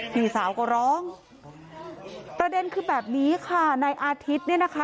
พี่สาวก็ร้องประเด็นคือแบบนี้ค่ะนายอาทิตย์เนี่ยนะคะ